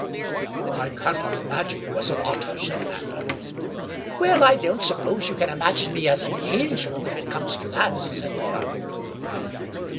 "I can't imagine you as an otter," said Amanda. "Well, I don't suppose you can imagine me as an angel, if it comes to that," said Laura.